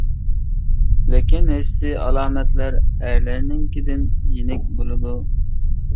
لېكىن ھېسسىي ئالامەتلەر ئەرلەرنىڭكىدىن يېنىك بولىدۇ.